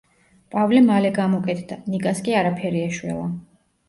პავლე მალე გამოკეთდა, ნიკას კი არაფერი ეშველა.